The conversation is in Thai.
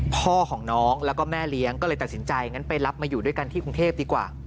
พ่อของน้องแล้วก็แม่เลี้ยงก็เลยตัดสินใจงั้นไปรับมาอยู่ด้วยกันที่กรุงเทพดีกว่า